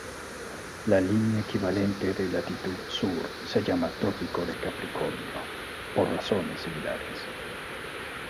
La línea equivalente de latitud sur se llama Trópico de Capricornio, por razones similares.